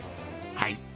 はい。